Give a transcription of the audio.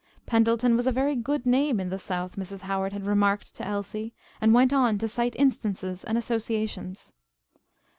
Pendleton was a very "good name" in the South, Mrs. Howard had remarked to Elsie, and went on to cite instances and associations.